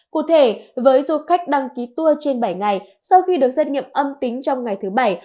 cụ thể với du khách đăng ký tour trên bảy ngày sau khi được xét nghiệm âm tính trong ngày thứ bảy